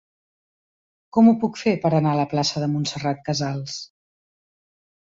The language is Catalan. Com ho puc fer per anar a la plaça de Montserrat Casals?